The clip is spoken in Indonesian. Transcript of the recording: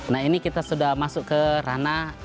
nah ini kita sudah masuk ke ranah